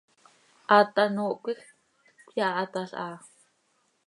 Haat hanoohcö quij cöyahatalhaa.